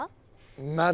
まだ！